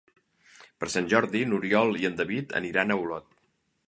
Per Sant Jordi n'Oriol i en David aniran a Olot.